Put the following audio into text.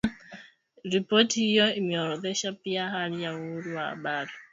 Ripoti hiyo imeorodhesha pia hali ya uhuru wa habari